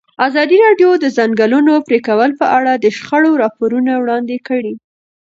ازادي راډیو د د ځنګلونو پرېکول په اړه د شخړو راپورونه وړاندې کړي.